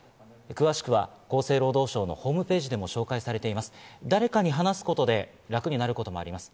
詳しくは厚生労働省のホームページでも紹介されています。